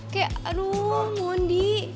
kayak aduh mondi